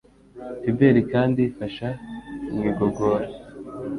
Fiber kandi ifasha mu igogora